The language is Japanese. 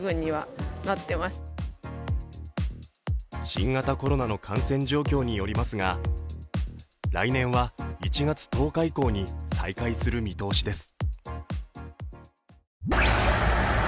新型コロナの感染状況によりますが、来年は１月１０日以降に再開する見通しです。